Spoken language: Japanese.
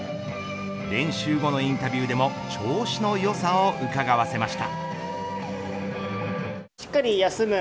練習後のインタビューでも調子の良さをうかがわせました。